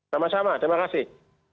sama sama terima kasih